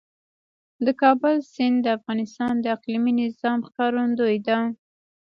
د کابل سیند د افغانستان د اقلیمي نظام ښکارندوی ده.